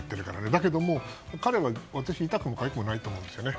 だけども、彼は痛くもかゆくないと思うんですよね。